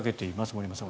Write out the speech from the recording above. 森山さん